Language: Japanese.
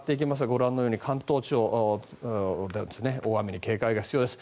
ご覧のように関東地方で大雨に警戒が必要です。